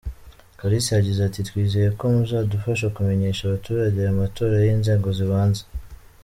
Kalisa yagize ati “Twizeye ko muzadufasha kumenyesha abaturage aya matora y’inzego z’ibanze.